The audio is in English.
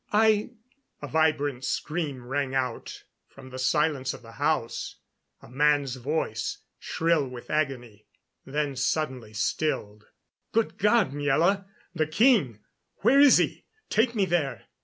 I " A vibrant scream rang out from the silence of the house a man's voice, shrill with agony then suddenly stilled. "Good God, Miela! The king where is he? Take me there."